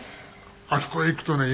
あそこへ行くとね